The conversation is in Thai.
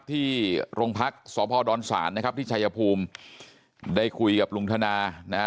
ที่โรงพักษ์สพดศาลนะครับที่ชายภูมิได้คุยกับลุงธนานะฮะ